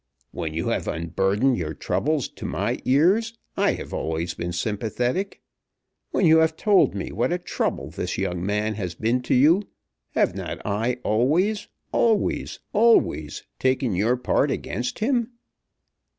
When you have unburdened your troubles to my ears I have always been sympathetic. When you have told me what a trouble this young man has been to you, have not I always, always, always taken your part against him?"